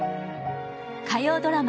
火曜ドラマ